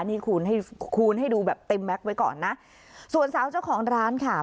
นี่คูณให้คูณให้ดูแบบเต็มแก๊กไว้ก่อนนะส่วนสาวเจ้าของร้านค่ะ